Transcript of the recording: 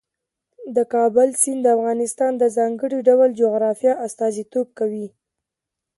د کابل سیند د افغانستان د ځانګړي ډول جغرافیه استازیتوب کوي.